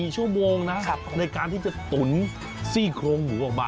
๔ชั่วโมงนะในการที่จะตุ๋นซี่โครงหมูออกมา